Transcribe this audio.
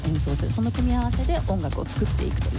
その組み合わせで音楽を作っていくという。